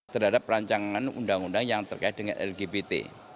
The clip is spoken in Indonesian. terhadap perancangan undang undang yang terkait dengan lgbt